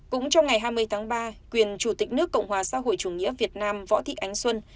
cũng trong ngày hai mươi tháng ba quyền chủ tịch nước cộng hòa xã hội chủ nghĩa việt nam võ thị ánh xuân